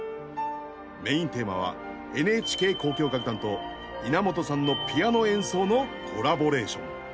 メインテーマはＮＨＫ交響楽団と稲本さんのピアノ演奏のコラボレーション。